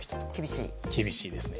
厳しいですね。